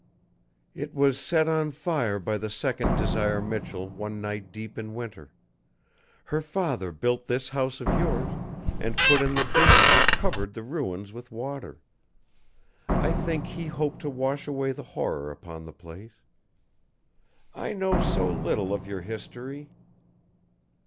"It was set on fire by the second Desire Michell one night deep in winter. Her father built this house of yours and put in the dam that covered the ruins with water. I think he hoped to wash away the horror upon the place." "I know so little of your history."